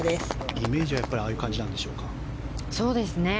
イメージはああいう感じなんでしょうか。